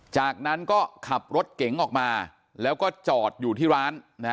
จากนั้นก็ขับรถเก๋งออกมาแล้วก็จอดอยู่ที่ร้าน